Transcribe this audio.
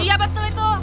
iya betul itu